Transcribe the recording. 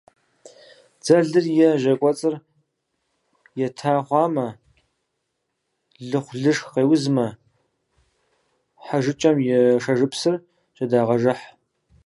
Дзэлыр е жьэ кӏуэцӏыр ета хъуамэ, лыхъулышх къеузмэ, хьэжыкӏэм и щӏэжыпсыр жьэдагъэжыхь.